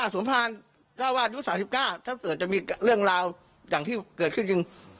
สวมภาณ๙วันยุทธ๓๙ถ้าเกิดจะมีเรื่องราวอย่างที่เกิดขึ้นจริง